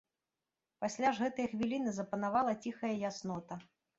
Пасля ж гэтай хвіліны запанавала ціхая яснота.